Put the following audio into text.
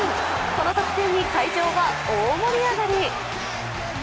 この得点に会場は大盛り上がり。